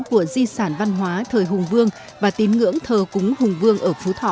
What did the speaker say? của di sản văn hóa thời hùng vương và tín ngưỡng thờ cúng hùng vương ở phú thọ